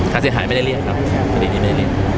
เขาเสียหายไม่ได้เรียนครับ